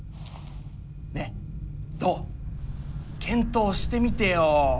ねどう？検討してみてよ。